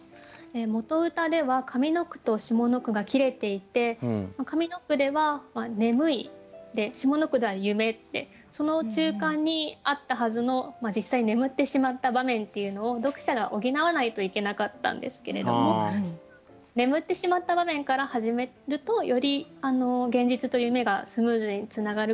元歌では上の句と下の句が切れていて上の句では「眠い」下の句では「夢」でその中間にあったはずの実際眠ってしまった場面っていうのを読者が補わないといけなかったんですけれども眠ってしまった場面から始めるとより現実と夢がスムーズにつながるかなと思いました。